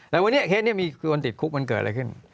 แล้ววันนี้เคสนี้มีคนติดคุกมันเกิดอะไรขึ้น